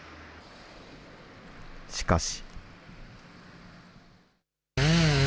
しかし。